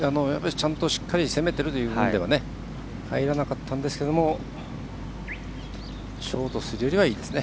ちゃんとしっかり攻めてるという意味では入らなかったんですけどショートするよりはいいですね。